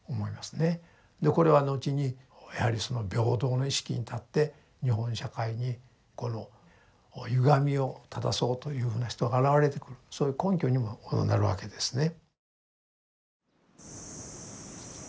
これは後にやはりその平等の意識に立って日本社会にこのゆがみを正そうというふうな人が現れてくるそういう根拠にもなるわけですね。